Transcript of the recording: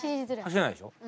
走れないでしょ。